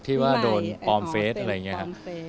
ที่ว่าโดนออมเฟสอะไรอย่างนี้ครับ